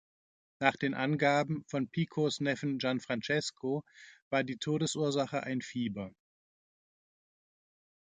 Nach den Angaben von Picos Neffen Gianfrancesco war die Todesursache ein Fieber.